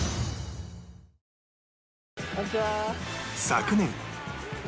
昨年